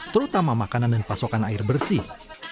terutama makanan dan pasokan air bersih